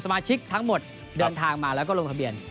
สมาชิกทั้งหมดเดินทางมาแล้วก็ลงทะเบียน